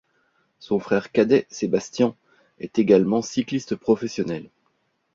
Son frère cadet, Sebastián est, également, cycliste professionnel.